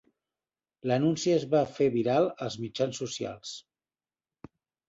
L'anunci es va fer viral als mitjans socials.